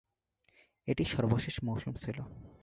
এটিই তার সর্বশেষ মৌসুম ছিল।